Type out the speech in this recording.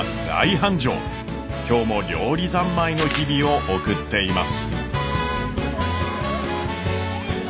今日も料理三昧の日々を送っています。